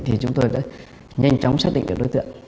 thì chúng tôi đã nhanh chóng xác định được đối tượng